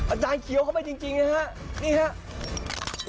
อาจารย์เขียวเข้าไปจริงนะครับนี่ครับ